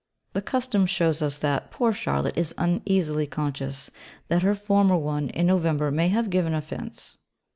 The custom shows us that poor Charlotte is uneasily conscious that her former one in November may have given offence.